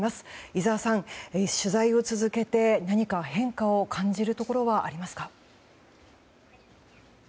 井澤さん、取材を続けて何か変化を感じるところはありますか？